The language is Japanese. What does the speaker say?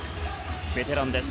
ベテランです。